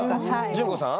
淳子さん？